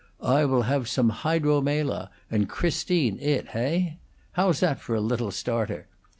I will have some hydro Mela, and Christine it, heigh? How's that for a little starter?